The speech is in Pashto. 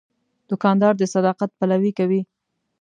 دوکاندار د صداقت پلوي کوي.